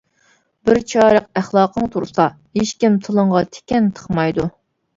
بىر چىرايلىق ئەخلاقىڭ تۇرسا، ھېچكىم تىلىڭغا تىكەن تىقمايدۇ.